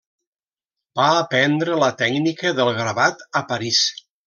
Va aprendre la tècnica del gravat a París.